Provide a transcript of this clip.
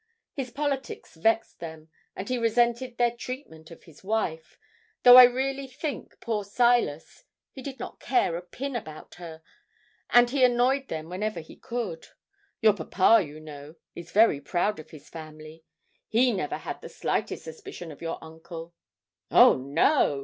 His politics vexed them; and he resented their treatment of his wife though I really think, poor Silas, he did not care a pin about her and he annoyed them whenever he could. Your papa, you know, is very proud of his family he never had the slightest suspicion of your uncle.' 'Oh no!'